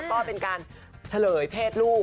ก็เป็นการเฉลยเพศลูก